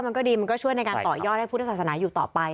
มันก็ดีมันก็ช่วยในการต่อยอดให้พุทธศาสนาอยู่ต่อไป